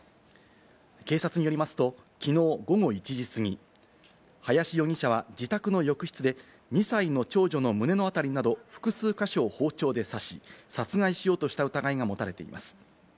警察によりますと、きのう午後１時過ぎ、林容疑者は、自宅の浴室で２歳の長女の胸の辺りなど複数か所を包丁で刺し、殺害しようとした疑いが持たれています。